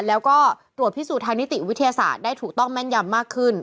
แล้วก็ตรวจพิสูจน์ทางนิติวิทยาศาสตร์ได้ถูกต้องแม่นยำมากขึ้น